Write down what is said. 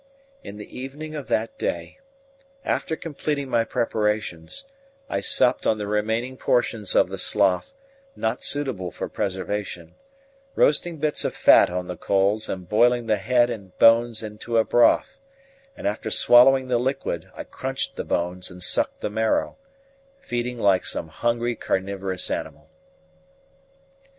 In the evening of that day, after completing my preparations, I supped on the remaining portions of the sloth, not suitable for preservation, roasting bits of fat on the coals and boiling the head and bones into a broth; and after swallowing the liquid I crunched the bones and sucked the marrow, feeding like some hungry carnivorous animal.